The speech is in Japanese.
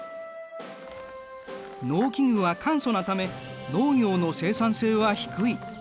農機具は簡素なため農業の生産性は低い。